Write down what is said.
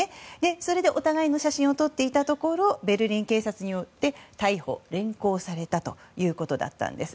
それでお互いの写真を撮っていたところベルリン警察によって逮捕・連行されたということだったんです。